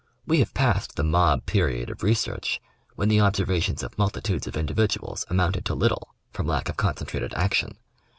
We have passed the mob period of research when the observations of multitudes of individ uals amounted to little, from lack of concentrated action.